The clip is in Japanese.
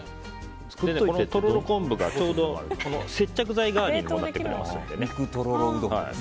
このとろろ昆布がちょうど接着剤代わりにもなってくれますので。